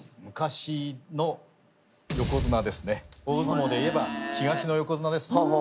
昔の大相撲で言えば東の横綱ですか。